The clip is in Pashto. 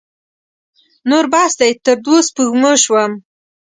نور بس دی؛ تر دوو سپږمو سوم.